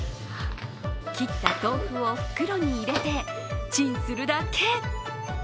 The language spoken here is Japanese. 切った豆腐を袋に入れてチンするだけ。